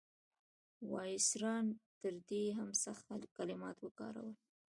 وایسرا تر دې هم سخت کلمات وکارول.